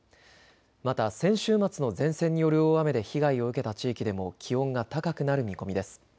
また先週末の前線による大雨で被害を受けた地域でも気温が高くなる見込みです。